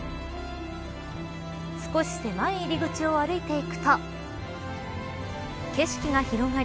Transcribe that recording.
少し狭い入り口を歩いていくと景色が広がり